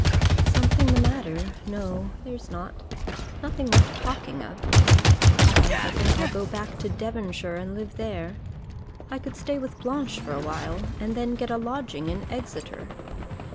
"Something the matter! No, there's not; nothing worth talking of. Sometimes I think I'll go back to Devonshire and live there. I could stay with Blanche for a time, and then get a lodging in Exeter."